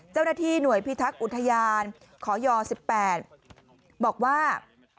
เจ้าหน้าที่หน่วยพิทักษ์อุทยานขอย๑๘บอกว่า